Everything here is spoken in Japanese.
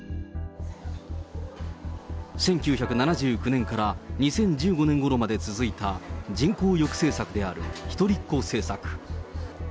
１９７９年から２０１５年ごろまで続いた人口抑制策である一人っ子政策。